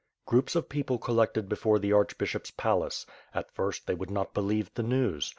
Groups of people collected before the archbishop^s palace; at first they would not believe the news.